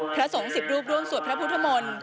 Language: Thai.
พระสงฆ์๑๐รูปร่วมสวดพระพุทธมนต์